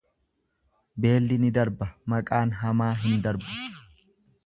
Beelli ni darba, maqaan hamaa hin darbu.